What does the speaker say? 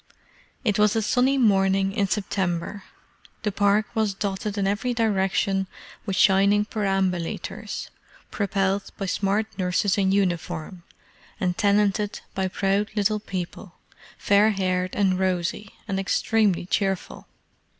It was a sunny morning in September. The Park was dotted in every direction with shining perambulators, propelled by smart nurses in uniform, and tenanted by proud little people, fair haired and rosy, and extremely cheerful.